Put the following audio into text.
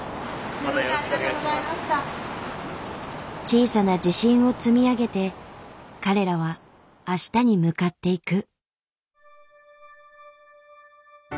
小さな自信を積み上げて彼らは明日に向かっていく。